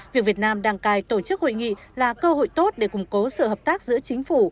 việc việt nam đang cài tổ chức hội nghị là cơ hội tốt để củng cố sự hợp tác giữa chính phủ